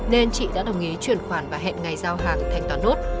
nên chị đã đồng ý chuyển khoản và hẹn ngày giao hàng thanh toán nốt